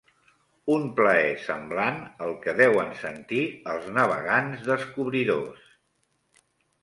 Un plaer semblant al que deuen sentir els navegants descobridors